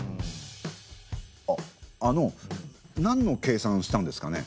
あっあのなんの計算をしたんですかね？